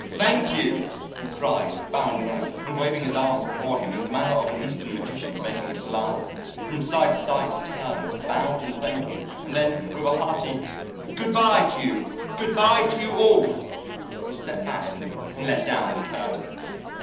"Thank you!" he cried, bowing low, and waving his arms before him in the manner of an Eastern magician making a salaam. From side to side he turned, bowing and thanking, and then, with a hearty "Good by to you; good by to you all!" he stepped back and let down the curtain.